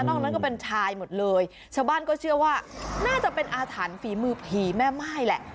นั้นก็เป็นชายหมดเลยชาวบ้านก็เชื่อว่าน่าจะเป็นอาถรรพ์ฝีมือผีแม่ม่ายแหละ